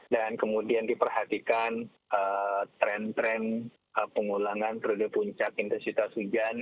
dan kemudian diperhatikan tren tren pengulangan terdiri puncak intensitas hujan